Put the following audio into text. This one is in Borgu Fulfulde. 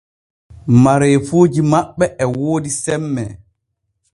Mareefuuji maɓɓe e woodi semme.